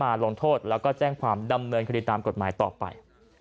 ลงโทษแล้วก็แจ้งความดำเนินคดีตามกฎหมายต่อไป